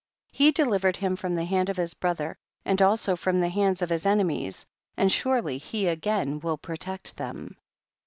he delivered him from the hand of his brother and also from the hands of his enemies, and surely he again will protect them.